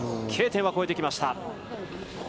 Ｋ点は超えてきました。